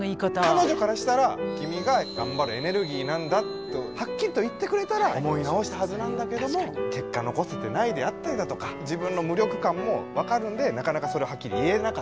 彼女からしたらとはっきりと言ってくれたら思い直したはずなんだけども結果残せてないであったりだとか自分の無力感も分かるんでなかなかそれをはっきり言えなかった。